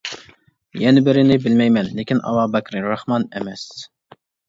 يەنە بىرىنى بىلمەيمەن، لېكىن ئابابەكرى راخمان ئەمەس.